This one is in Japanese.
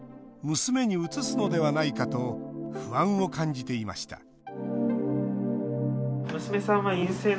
娘にうつすのではないかと不安を感じていました